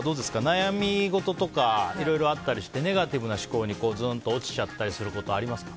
悩み事とかいろいろあったりしてネガティブな思考にずんと落ちちゃったりすることありますか。